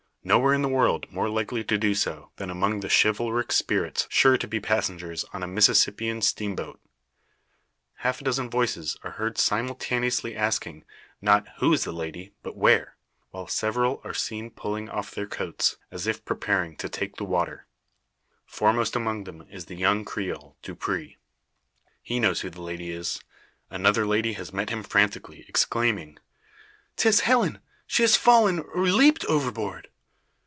Nowhere in the world more likely to do so, than among the chivalric spirits sure to be passengers on a Mississippian steamboat. Half a dozen voices are heard simultaneously asking, not "who is the lady?" but "where?" while several are seen pulling off their coats, as if preparing to take to the water. Foremost among them is the young Creole, Dupre. He knows who the lady is. Another lady has met him frantically, exclaiming "'Tis Helen! She has fallen, or leaped overboard."